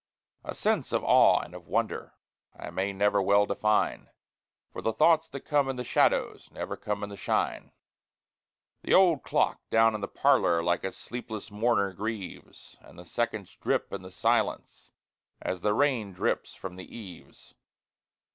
A sense of awe and of wonder I may never well define, For the thoughts that come in the shadows Never come in the shine. The old clock down in the parlor Like a sleepless mourner grieves, And the seconds drip in the silence As the rain drips from the eaves.